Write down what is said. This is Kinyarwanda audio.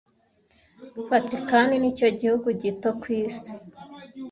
Vatikani nicyo gihugu gito ku isi